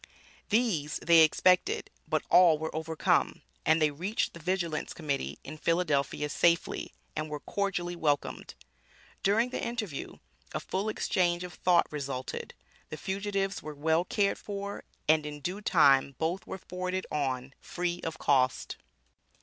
These they expected, but all were overcome, and they reached the Vigilance Committee, in Philadelphia safely, and were cordially welcomed. During the interview, a full interchange of thought resulted, the fugitives were well cared for, and in due time both were forwarded on, free of cost.